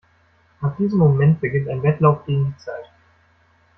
Ab diesem Moment beginnt ein Wettlauf gegen die Zeit.